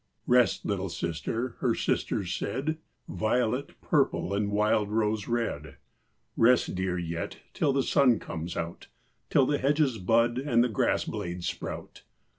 "Rest, little sister," her sisters said— Violet purple and wild rose red— "Rest, dear, yet, till the sun comes out, Till the hedges bud, and the grass blades sprout.